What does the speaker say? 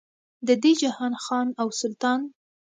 د دې جهان خان او سلطان.